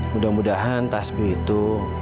mudah mudahan tasbih itu